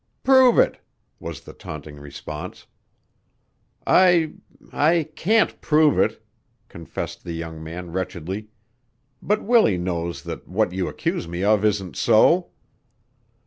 "Prove it," was the taunting response. "I I can't prove it," confessed the young man wretchedly, "but Willie knows that what you accuse me of isn't so."